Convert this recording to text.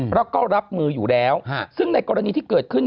แล้วก็รับมืออยู่แล้วซึ่งในกรณีที่เกิดขึ้น